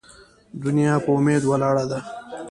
ـ دنيا په اميد ولاړه ده.